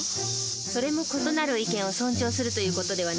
それも異なる意見を尊重するという事ではないわ。